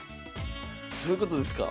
どどういうことですか？